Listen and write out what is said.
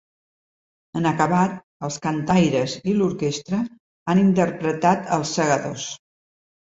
En acabat, els cantaries i l’orquestra han interpretat ‘Els Segadors’.